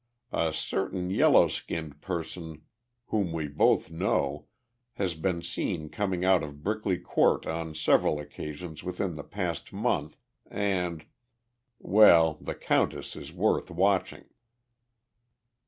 A certain yellow skinned person whom we both know has been seen coming out of Brickley Court on several occasions within the past month, and well, the countess is worth watching."